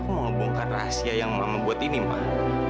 mah justru aku mau ngebongkar rahasia yang mama buat ini mah